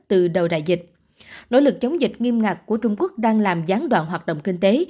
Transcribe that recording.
từ đầu đại dịch nỗ lực chống dịch nghiêm ngặt của trung quốc đang làm gián đoạn hoạt động kinh tế